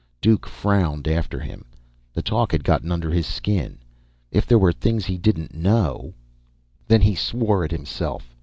Duke frowned after him. The talk had gotten under his skin. If there were things he didn't know Then he swore at himself.